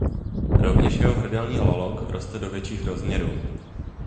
Rovněž jeho hrdelní lalok roste do větších rozměrů.